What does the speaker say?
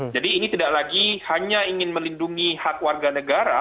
jadi ini tidak lagi hanya ingin melindungi hak warga negara